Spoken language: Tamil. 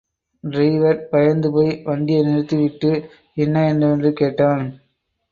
டிரைவர் பயந்து போய் வண்டியைநிறுத்திவிட்டு என்ன என்னவென்று கேட்டான்.